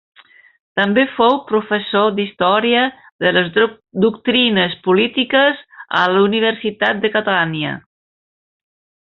També fou professor d'història de les doctrines polítiques a la Universitat de Catània.